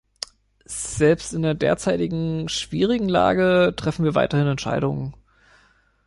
Selbst in der derzeitigen schwierigen Lage treffen wir weiterhin Entscheidungen.